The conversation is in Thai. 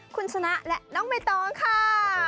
คุณชนะและน้องใบตองค่ะ